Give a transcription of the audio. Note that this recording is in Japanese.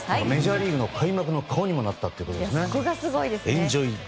メジャーリーグの開幕の顔にもなったと。